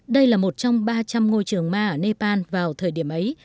đây là một trong ba trăm linh ngôi trường ma ở nepal vào thời điểm ấy